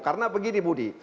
karena begini budi